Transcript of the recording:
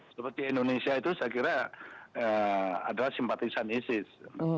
seperti indonesia itu saya kira adalah simpatisan isis